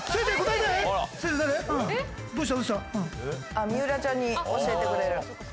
あっ水卜ちゃんに教えてくれる。